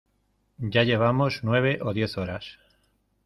ya llevamos nueve o diez horas.